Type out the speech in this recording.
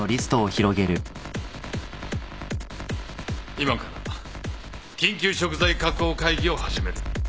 今から緊急食材確保会議を始める。